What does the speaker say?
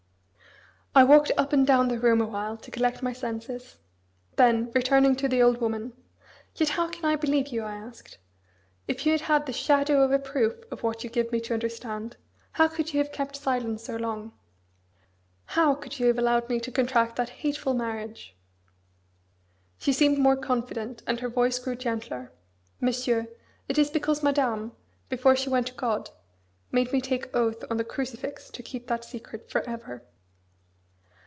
I walked up and down the room awhile to collect my senses. Then, returning to the old woman, "Yet how can I believe you?" I asked. "If you had had the shadow of a proof of what you give me to understand, how could you have kept silence so long? How could you have allowed me to contract that hateful marriage?" She seemed more confident, and her voice grew gentler. "Monsieur, it is because Madame, before she went to God, made me take oath on the crucifix to keep that secret for ever."